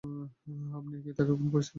আপনি কি তাকে খুন করেছিলেন?